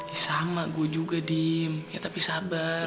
ya sama gue juga diem ya tapi sabar